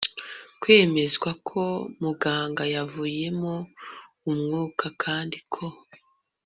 kwemezwa ko muganga yavuyemo umwuka kandi ko